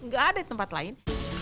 gak ada tempat lain